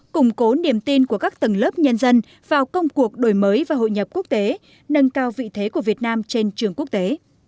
củng cố niềm tin của các tầng lớp nhân dân vào công cuộc đổi mới và hội nhập quốc tế nâng cao vị thế của việt nam trên trường quốc tế